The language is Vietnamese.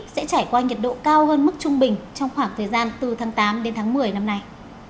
sẽ trải qua nhiệt độ cao hơn mức trung bình trong khoảng thời gian từ tháng tám đến tháng một mươi năm nay